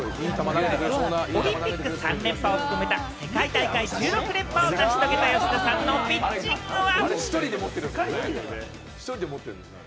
オリンピック３連覇を含めた世界大会１６連覇を成し遂げた吉田さんのピッチングは。